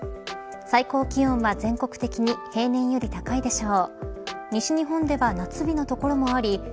最高気温は全国的に平年より高いでしょう。